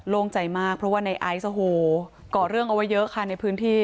โล่งใจมากเพราะว่าในไอซ์โอ้โหก่อเรื่องเอาไว้เยอะค่ะในพื้นที่